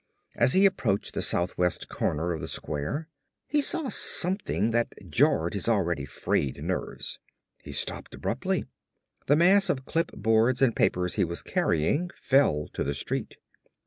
As he approached the south west corner of the square he saw something that jarred his already frayed nerves. He stopped abruptly. The mass of clipboards and papers he was carrying fell to the street.